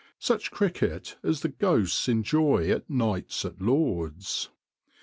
; such cricket as the ghosts enjoy at nights at Lord's.